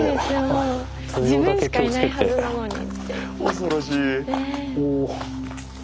恐ろしい。